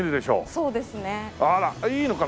そうですね。